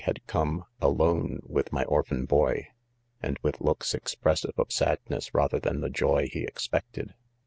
had come, alone with. my orphan. boy ■ and ,with looks expressive of sadness, rather than the joy he expected.